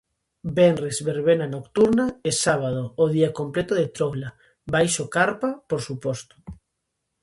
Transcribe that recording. Venres, verbena nocturna, e sábado o día completo de troula, baixo carpa, por suposto.